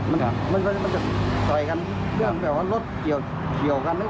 มันก็จะต่อยกันเรื่องแบบว่ารถเฉียวกันนึกว่าประมาณนี้น่ะ